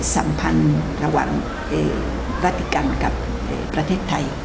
สัมพันธ์ระหว่างราติกันกับประเทศไทย